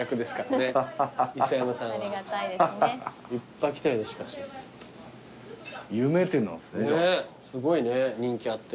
ねぇすごいね人気あって。